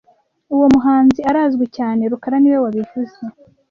Uwo muhanzi arazwi cyane rukara niwe wabivuze